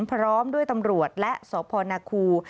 พร้อมด้วยตำรวจและสพนคู